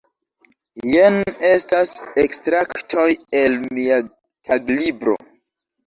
Jen estas ekstraktoj el mia taglibro.